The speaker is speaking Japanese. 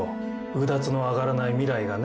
うだつの上がらない未来がね。